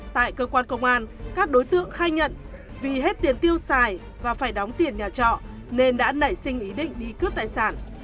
tại cơ quan công an các đối tượng khai nhận vì hết tiền tiêu xài và phải đóng tiền nhà trọ nên đã nảy sinh ý định đi cướp tài sản